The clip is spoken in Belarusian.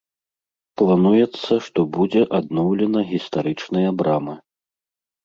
Плануецца, што будзе адноўлена гістарычная брама.